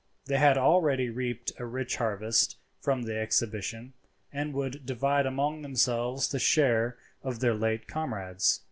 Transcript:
They had already reaped a rich harvest from the exhibition, and would divide among themselves the share of their late comrades.